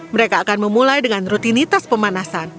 mereka akan memulai dengan rutinitas pemanasan